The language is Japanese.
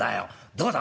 どうだ？